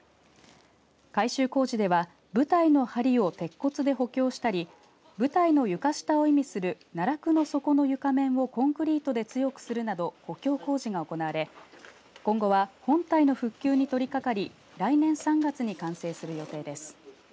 改修工事では舞台のはりを鉄骨で補強したり舞台の床下を意味する奈落の底の床面をコンクリートで強くするなど補強工事が行われ今後は本体の復旧に取り掛かり来年３月に完成する予定です。